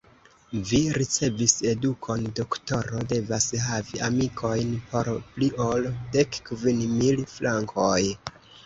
Vi ricevis edukon: doktoro devas havi amikojn por pli ol dek kvin mil frankoj.